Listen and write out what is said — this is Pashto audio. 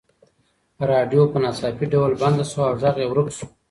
راډیو په ناڅاپي ډول بنده شوه او غږ یې ورک شو.